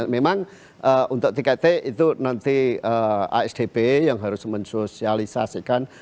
memang untuk tiket t itu nanti asdp yang harus mensosialisasikan